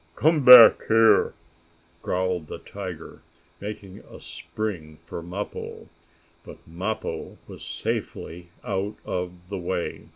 "Come back here!" growled the tiger, making a spring for Mappo. But Mappo was safely out of the way.